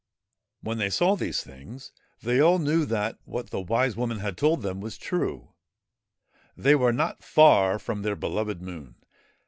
When they saw these things they all knew that what the Wise Woman had told them was true : they were not far from their beloved Moon.